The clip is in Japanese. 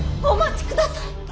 お待ちください！